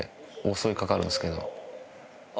襲いかかるんですけど。